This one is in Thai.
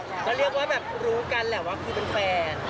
เราเรียกว่ารู้กันแหละว่าพี่เป็นแฟน